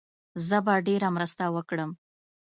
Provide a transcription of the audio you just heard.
زه به ډېره مرسته وکړم.